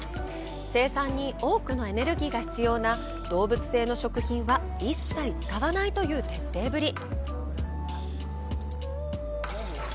生産に多くのエネルギーが必要な動物性の食品は一切使わないという徹底ぶり！